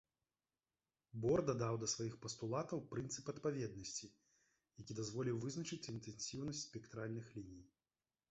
Бор дадаў да сваіх пастулатаў прынцып адпаведнасці, які дазволіў вызначыць інтэнсіўнасць спектральных ліній.